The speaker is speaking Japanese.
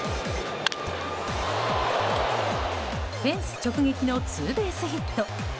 フェンス直撃のツーベースヒット。